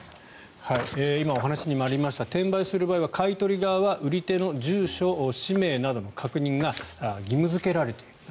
今お話にもありました転売する場合は買い取る場合は売り手の住所、氏名などの確認が義務付けられていると。